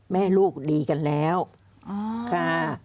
แม่ลูกดีกันแล้วค่ะ